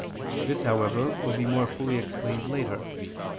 This, however, will be more fully explained later (Q.